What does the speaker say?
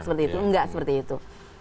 enggak seperti itu